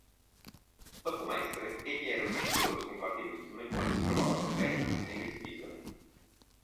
Dopo Mestre egli era uscito dallo scompartimento nel quale si trovavano Vehrehan e miss Bigland.